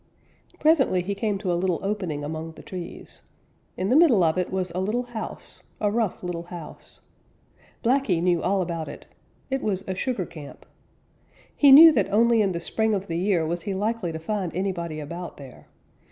Presently he came to a little opening among the trees. In the middle of it was a little house, a rough little house. Blacky knew all about it. It was a sugar camp. He knew that only in the spring of the year was he likely to find anybody about there.